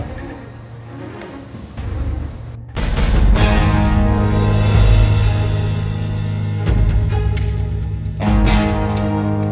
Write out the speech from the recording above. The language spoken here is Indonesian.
terima kasih tuhan